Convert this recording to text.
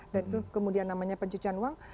dan itu kemudian namanya pencucian uang